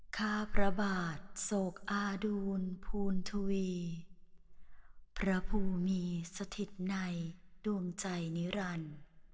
ข้าพระบาทโศกอาดูลภูณทวีพระภูมิมีสถิตในดวงใจนิรันดิ์